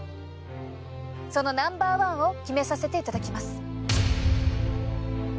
そのナンバー１を決めさせていただきます。